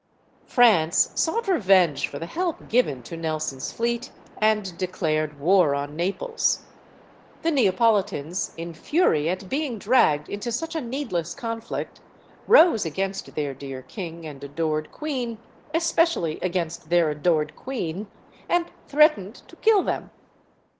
France sought revenge for the help given to Nelson's fleet, and declared war on Naples. The Neapolitans, in fury at being dragged into such a needless conflict, rose against their dear king and adored queen es pecially against their adored queen and threatened to kill them.